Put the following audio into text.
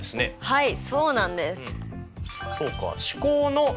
はい。